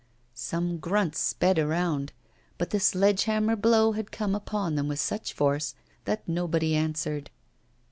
Some grunts sped around; but the sledge hammer blow had come upon them with such force that nobody answered.